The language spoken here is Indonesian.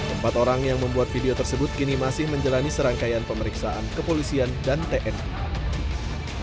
empat orang yang membuat video tersebut kini masih menjalani serangkaian pemeriksaan kepolisian dan tni